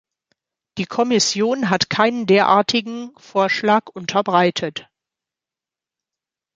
Die Kommission hat keinen derartigen Vorschlag unterbreitet.